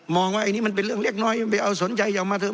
ว่าอันนี้มันเป็นเรื่องเล็กน้อยมันไปเอาสนใจออกมาเถอ